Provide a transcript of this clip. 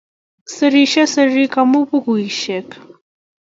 Serisiei serik, amu bukuisiek